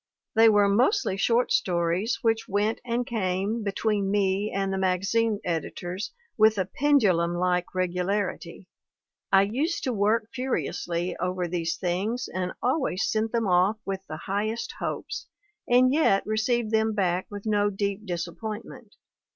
They were mostly short stories which went and came be tween me and the magazine editors with a pendulum like regularity; I used to work furiously over these things, and always sent them off with the highest hopes, and yet received them back with no deep disap pointment.